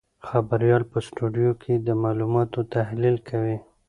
خبریال په سټوډیو کې د معلوماتو تحلیل کوي.